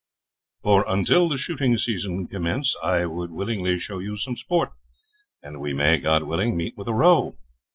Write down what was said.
'For, until the shooting season commence, I would willingly show you some sport, and we may, God willing, meet with a roe.